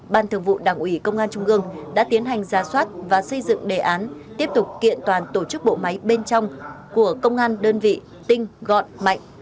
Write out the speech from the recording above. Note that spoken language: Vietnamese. ban thường vụ đảng ủy công an trung ương đã tiến hành ra soát và xây dựng đề án tiếp tục kiện toàn tổ chức bộ máy bên trong của công an đơn vị tinh gọn mạnh